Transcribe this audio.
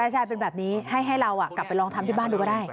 ใช่เป็นแบบนี้ให้เรากลับไปลองทำที่บ้านดูก็ได้